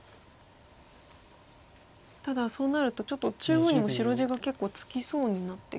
ただそうなるとちょっと中央にも白地が結構つきそうになってきましたね。